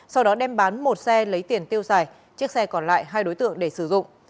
sau đó đem bán một xe lấy tiền tiêu xài chiếc xe còn lại hai đối tượng để sử dụng